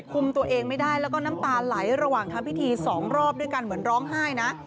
คุมตัวเองไม่ได้แล้วก็น้ำตาไหลระหว่างทำพิธีสองรอบด้วยกันเหมือนร้องไห้นะ